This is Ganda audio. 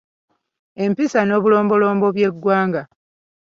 Empisa n’obulombolombo by’eggwanga